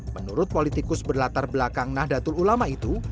menurut politikus berlatar belakang nahdlatul ulama itu